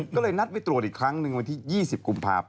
ก็เลยนัดไปตรวจอีกครั้งหนึ่งวันที่๒๐กุมภาพ